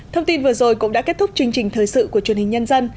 thông tin vừa rồi cũng đã kết thúc chương trình thời sự của truyền hình nhân dân